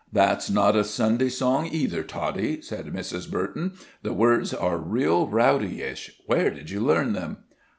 "That's not a Sunday song either, Toddie," said Mrs. Burton. "The words are real rowdyish. Where did you learn them?"